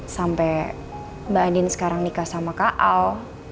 sampai mbak din sekarang nikah sama kak al